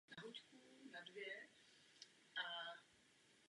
Kromě něj se zde usadil i starý vodník Ivan.